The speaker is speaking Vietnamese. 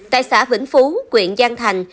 tại xã vĩnh phú quyện giang thành